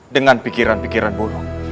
dengan pikiran pikiran buruk